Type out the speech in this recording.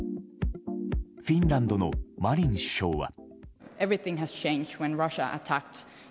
フィンランドのマリン首相は。